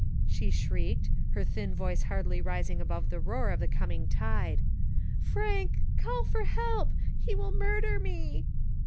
*' she shrieked, her thin voice hardly rising above the roar of the coming tide. Frank, call for help, he will murder me!